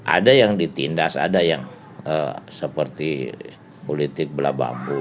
ada yang ditindas ada yang seperti politik bela bapu